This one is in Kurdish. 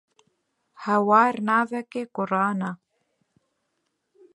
hawar navekê kurane